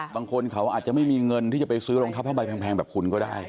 บางคนเขาอาจจะไม่มีเงินที่จะไปซื้อรองเท้าผ้าใบแพงแบบคุณก็ได้